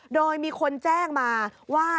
โดยมีคนแจ้งมาว่า